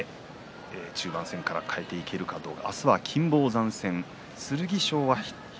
中盤戦から変えていけるかどうか。